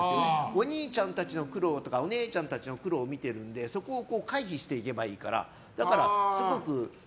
お兄ちゃんたちの苦労とかお姉ちゃんたちの苦労を見てるのでそこを回避していけばいいから。